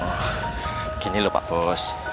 begini lho pak bos